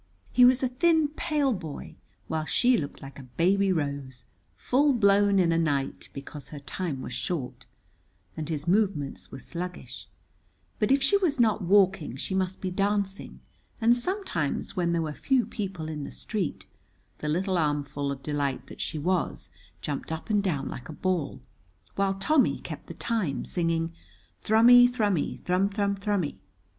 He was a thin, pale boy, while she looked like a baby rose full blown in a night because her time was short; and his movements were sluggish, but if she was not walking she must be dancing, and sometimes when there were few people in the street, the little armful of delight that she was jumped up and down like a ball, while Tommy kept the time, singing "Thrummy, Thrummy, Thrum Thrum Thrummy."